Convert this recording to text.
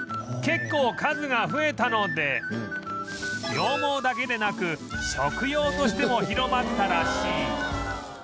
結構数が増えたので羊毛だけでなく食用としても広まったらしい